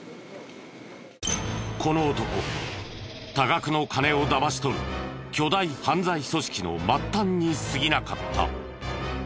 この男多額の金をだまし取る巨大犯罪組織の末端にすぎなかった。